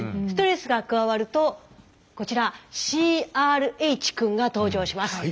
ストレスが加わるとこちらＣＲＨくんが登場します。